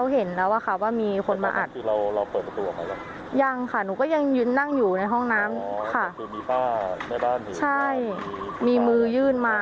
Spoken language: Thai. อ๋อคือมีมือยื่นออกมาเลย